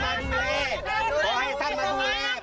ใครมาดูแลปลอให้ท่านมาดูแล